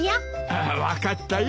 ああ分かったよ